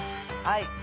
はい。